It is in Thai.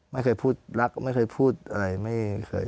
ไม่เคยพูดรักไม่เคยพูดอะไร